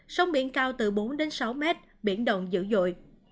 sóng biển cao từ bốn đến sáu mét biển động dữ dội